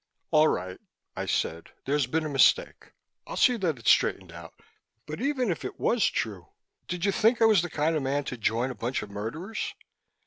"All right," I said. "There's been a mistake; I'll see that it's straightened out. But even if it was true, did you think I was the kind of man to join a bunch of murderers?"